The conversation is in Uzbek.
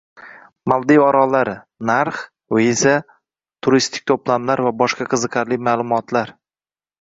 Maldiv orollari: narx, viza, turistik to‘plamlar va boshqa qiziqarli ma’lumotlar